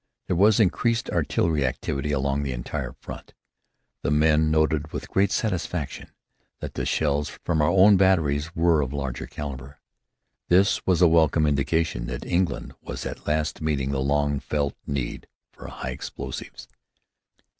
There was increased artillery activity along the entire front. The men noted with great satisfaction that the shells from our own batteries were of larger calibre. This was a welcome indication that England was at last meeting the longfelt need for high explosives.